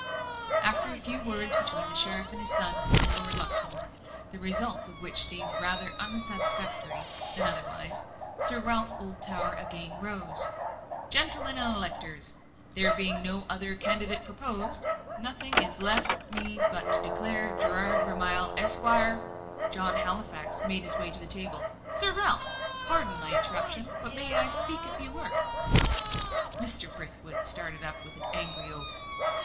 After a few words between the sheriff, his son, and Lord Luxmore, the result of which seemed rather unsatisfactory than otherwise, Sir Ralph Oldtower again rose. "Gentlemen and electors, there being no other candidate proposed, nothing is left me but to declare Gerard Vermilye, Esquire " John Halifax made his way to the table. "Sir Ralph, pardon my interruption, but may I speak a few words?" Mr. Brithwood started up with an angry oath.